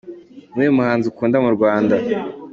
com: Ni uwuhe muhanzi ukunda mu Rwanda?.